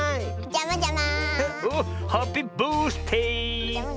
じゃまじゃま。